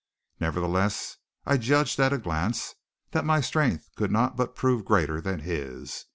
Nevertheless I judged at a glance that my strength could not but prove greater than his.